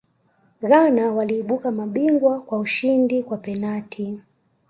ghana waliibuka mabingwa kwa ushindi kwa penati